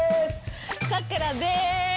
さくらです！